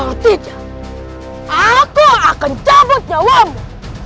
kalau tidak aku akan cabut nyawamu